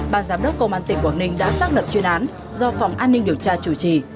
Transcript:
ban giám đốc công an tỉnh quảng ninh đã xác lập chuyên án do phòng an ninh điều tra chủ trì